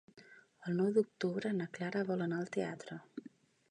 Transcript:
El nou d'octubre na Clara vol anar al teatre.